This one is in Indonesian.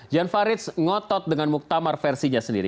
gian farid ngotot dengan muktamar versinya sendiri